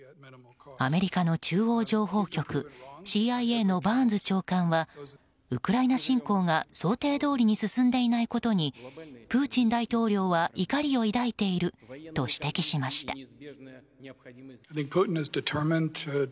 アメリカの中央情報局・ＣＩＡのバーンズ長官はウクライナ侵攻が想定どおりに進んでいないことにプーチン大統領は怒りを抱いていると指摘しました。